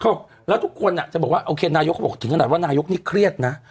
แล้วทุกคนอ่ะจะบอกว่าโอเคนายกเขาบอกถึงขนาดว่านายกนี่เครียดนะ